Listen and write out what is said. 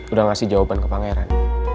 udah ngasih jawaban ke pangeran